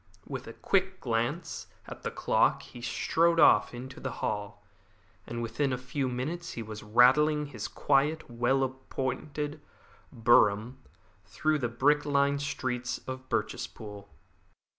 With a quick glance at the clock he strode off into the hall, and within a few minutes he was rattling in his quiet, well appointed brougham through the brick lined streets of Birchespool.